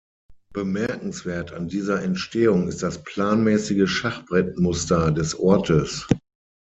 Bemerkenswert an dieser Entstehung ist das planmäßige Schachbrettmuster des Ortes.